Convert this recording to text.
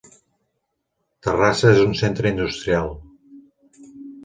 Terrassa és un centre industrial.